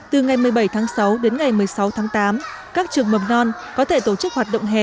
từ ngày một mươi bảy tháng sáu đến ngày một mươi sáu tháng tám các trường mầm non có thể tổ chức hoạt động hè